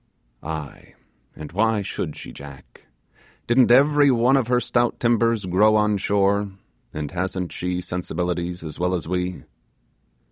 Aye, and why should she, Jack? didn't every one of her stout timbers grow on shore, and hasn't she sensibilities; as well as we?